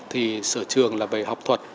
thì sở trường là về học thuật